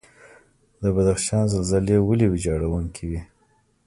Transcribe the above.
د بدخشان زلزلې ولې ویجاړونکې وي؟